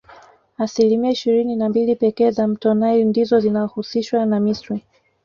Asilimia ishirini na mbili pekee za mto nile ndizo zinahusishwa na misri